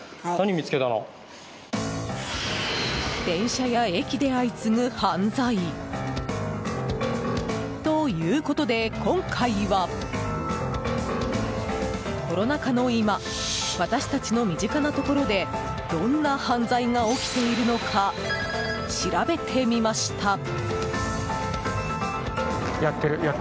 電車や駅で相次ぐ犯罪。ということで今回はコロナ禍の今私たちの身近なところでどんな犯罪が起きているのか調べてみました。